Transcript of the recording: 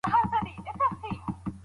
پلان جوړونکو خپل کارونه بشپړ کړل.